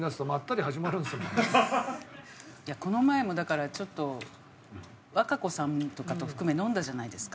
やっぱりこの前もだからちょっと和歌子さんとかと含め飲んだじゃないですか。